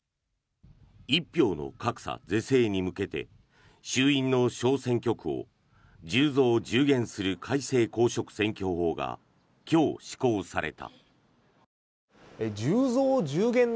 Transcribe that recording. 一票の格差是正に向けて衆院の小選挙区を１０増１０減する改正公職選挙法が今日、施行された。